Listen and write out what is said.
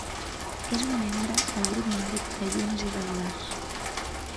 És un membre del Grup Nòrdic de llunes irregulars.